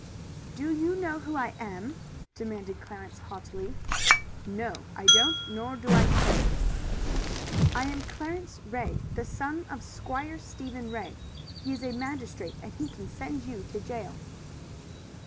"Do you know who I am?" demanded Clarence haughtily. "No, I don't, nor do I care." "I am Clarence Ray, son of Squire Stephen Ray. He is a magistrate, and he can send you to jail."